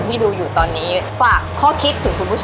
มีขอเสนออยากให้แม่หน่อยอ่อนสิทธิ์การเลี้ยงดู